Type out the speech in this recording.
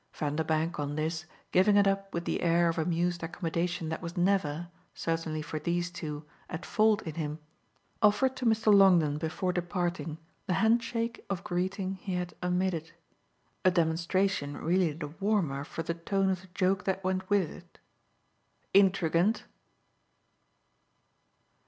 Vanderbank on this, giving it up with the air of amused accommodation that was never certainly for these two at fault in him, offered to Mr. Longdon before departing the handshake of greeting he had omitted; a demonstration really the warmer for the tone of the joke that went with it. "Intrigant!"